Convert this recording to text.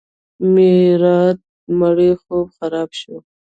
میرات مړی خوب خراب شو.